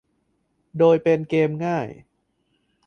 โดยเป็นเกมง่าย